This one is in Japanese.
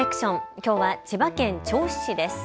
きょうは千葉県銚子市です。